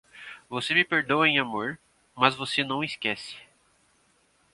Você me perdoa em amor, mas você não esquece.